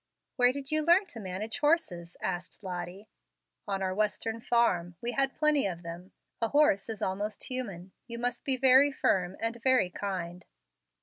"Where did you learn to manage horses?" asked Lottie. "On our Western farm. We had plenty of them. A horse is almost human: you must be very firm and very kind."